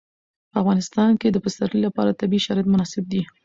په افغانستان کې د پسرلی لپاره طبیعي شرایط مناسب دي.